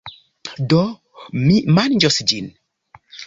Do. Mi manĝos ĝin.